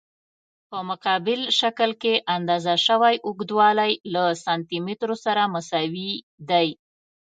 په مقابل شکل کې اندازه شوی اوږدوالی له سانتي مترو سره مساوي دی.